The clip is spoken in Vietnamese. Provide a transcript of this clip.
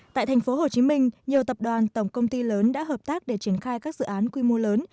tại thành phố hồ chí minh nhiều tập đoàn tổng công ty lớn đã hợp tác để triển khai các dự án quy mô lớn